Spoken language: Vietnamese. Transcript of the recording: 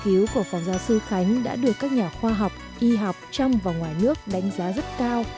nghiên cứu của phó giáo sư khánh đã được các nhà khoa học y học trong và ngoài nước đánh giá rất cao